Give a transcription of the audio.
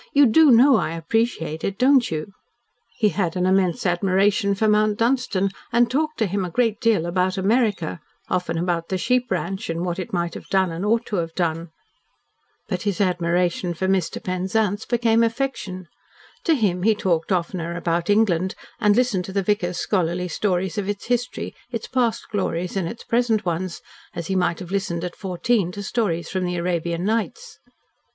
You DO know I appreciate it, don't you?" He had an immense admiration for Mount Dunstan, and talked to him a great deal about America, often about the sheep ranch, and what it might have done and ought to have done. But his admiration for Mr. Penzance became affection. To him he talked oftener about England, and listened to the vicar's scholarly stories of its history, its past glories and its present ones, as he might have listened at fourteen to stories from the Arabian Nights.